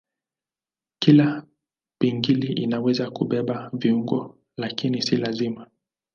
Kila pingili inaweza kubeba viungo lakini si lazima.